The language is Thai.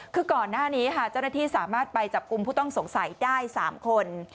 คือก่อนหน้านี้ค่ะเจ้าหน้าที่สามารถไปจับกลุ่มผู้ต้องสงสัยได้๓คน